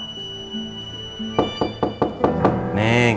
neng ini kan puasa neng